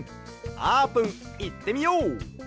あーぷんいってみよう！